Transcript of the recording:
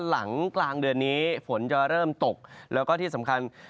หลังกลางเดือนนี้ฝนจะเริ่มตกแล้วก็ที่สำคัญ